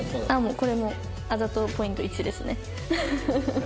これもあざとポイント１ですね。